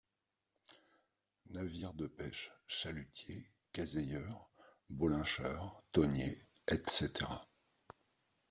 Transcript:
Navires de pêche: chalutiers, caseyeurs, bolincheurs, thoniers, etc.